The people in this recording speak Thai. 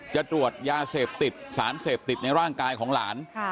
จะตรวจยาเสพติดสารเสพติดในร่างกายของหลาน